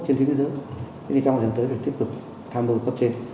trên thế giới thì trong thời gian tới thì tiếp tục tham mưu cấp trên